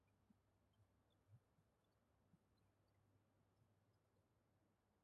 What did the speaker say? Broughton married Wyke on his release.